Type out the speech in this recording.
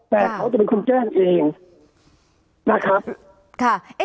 แต่เขาจะเป็นคนแจ้งเองนะครับค่ะ